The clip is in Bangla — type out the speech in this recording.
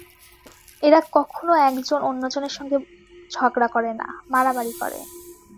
এরা কখনো এক জন অন্য জনের সঙ্গে ঝগড়া করে না, মারামারি করে।